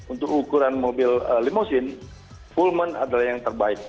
untuk ukuran mobil limousin pullman adalah yang terbaik